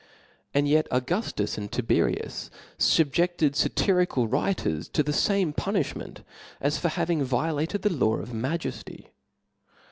And yet Juguftus and Tiberius fubjedted faty rical writers to the fame punilhment as for having violated the law of majcfty.